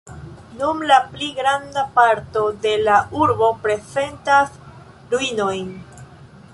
Nun la pli granda parto de la urbo prezentas ruinojn.